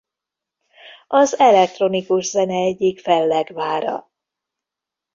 Az elektronikus zene egyik fellegvára.